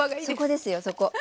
そこですよそこ。